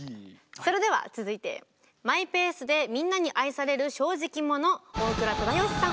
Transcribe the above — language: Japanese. それでは続いてマイペースでみんなに愛される正直者大倉忠義さん。